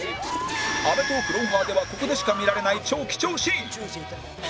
『アメトーーク』×『ロンハー』ではここでしか見られない超貴重シーン